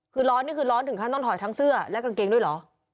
คือร้อนนี่คือร้อนถึงขั้นต้องถอยทั้งเสื้อและกางเกงด้วยเหรอ